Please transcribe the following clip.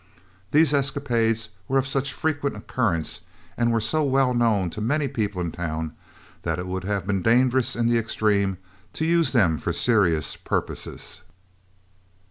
These escapades were of such frequent occurrence, and were so well known to many people in town, that it would have been dangerous in the extreme to use them for serious purposes.